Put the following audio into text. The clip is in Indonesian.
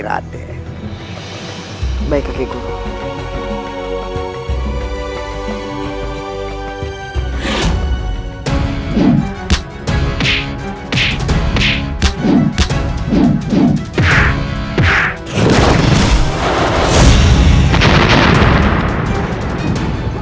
baru agak sempurna